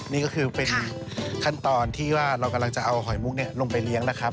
นี่ก็คือเป็นขั้นตอนที่ว่าเรากำลังจะเอาหอยมุกลงไปเลี้ยงนะครับ